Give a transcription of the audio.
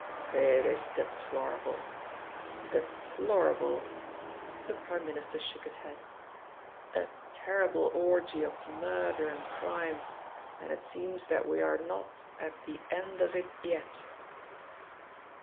"It is deplorable, deplorable." The Prime Minister shook his head. "A terrible orgy of murder and crime, and it seems that we are not at the end of it yet."